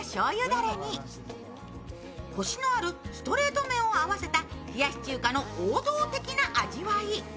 だれにコシのあるストレート麺を合わせた冷やし中華の王道的な味わい。